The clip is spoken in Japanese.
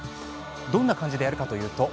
どんな感じでやるのかというと。